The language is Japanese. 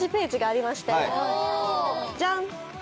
ジャンっ！